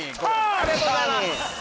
ありがとうございます